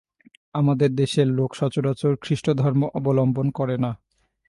আমাদের দেশের লোক সচরাচর খ্রীষ্টধর্ম অবলম্বন করে না।